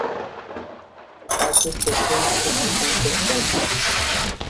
Haideți să fim și mai consecvenți.